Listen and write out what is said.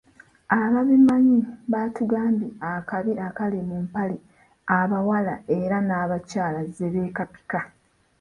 Ababimanyi batugambye akabi akali mu mpale abawala era n'abakyala zebeekapika.